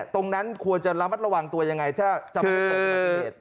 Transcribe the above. ตรงนั้นควรจะระวัตรระวังตัวยังไงถ้าจำเป็นเป็นเป็นอันตรีเหตุ